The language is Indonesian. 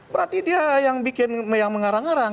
berarti dia yang mengarang arang